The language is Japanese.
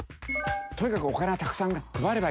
とにかくお金をたくさんね配ればいいんだ。